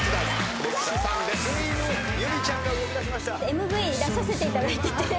ＭＶ出させていただいてて。